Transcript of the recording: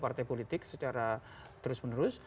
partai politik secara terus menerus